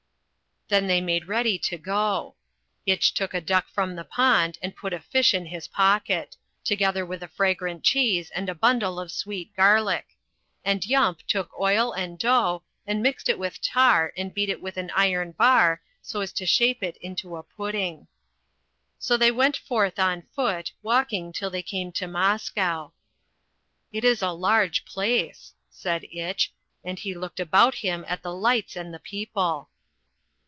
Then they made ready to go. Itch took a duck from the pond and put a fish in his pocket, together with a fragrant cheese and a bundle of sweet garlic. And Yump took oil and dough and mixed it with tar and beat it with an iron bar so as to shape it into a pudding. So they went forth on foot, walking till they came to Moscow. "It is a large place," said Itch, and he looked about him at the lights and the people.